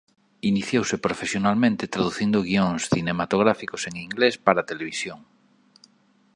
Iniciouse profesionalmente traducindo guións cinematográficos en inglés para televisión.